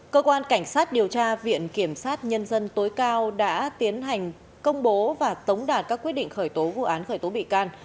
cơ quan cảnh sát điều tra viện kiểm sát nhân dân tối cao đã tiến hành công bố và tống đạt các quyết định khởi tố vụ án khởi tố bị can